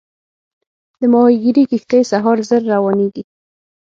د ماهیګیري کښتۍ سهار زر روانېږي.